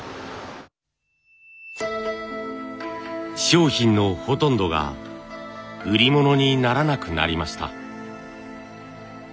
商品のほとんどが売り物にならなくなりました。